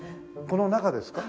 この中ですか？